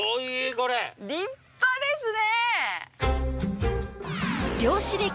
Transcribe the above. これ立派ですね！